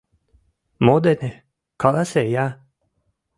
Мо дене, каласе-я!